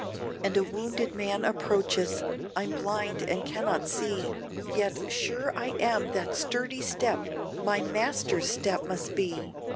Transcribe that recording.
And a wounded man approaches; I'm blind, and cannot see, Yet sure I am that sturdy step my master's step must be!"